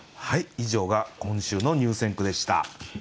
以上が今週の入選句でした。